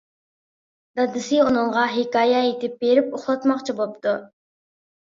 دادىسى ئۇنىڭغا ھېكايە ئېيتىپ بېرىپ ئۇخلاتماقچى بوپتۇ.